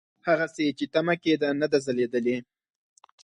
هغسې چې تمه کېده نه ده ځلېدلې.